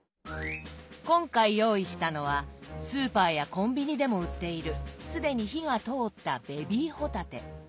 今回用意したのはスーパーやコンビニでも売っている既に火が通ったベビー帆立て。